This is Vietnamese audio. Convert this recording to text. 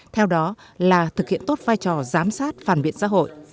theo đó là thực hiện tốt vai trò giám sát phản biện xã hội